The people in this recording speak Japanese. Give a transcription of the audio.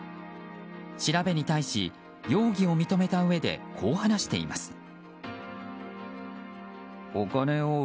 調べに対し、容疑を認めたうえでこう話しています。